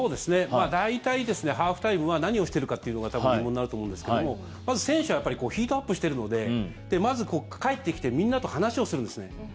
大体、ハーフタイムは何をしてるかっていうのが多分、疑問になると思うんですけどもまず選手はやっぱりヒートアップしてるのでまず帰ってきてみんなと話をするんですね。